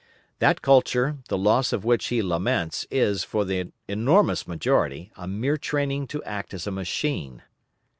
That culture, the loss of which he laments, is, for the enormous majority, a mere training to act as a machine.